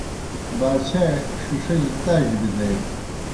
باچھائے ݜِݜِجیْ تاج بِدیگہ۔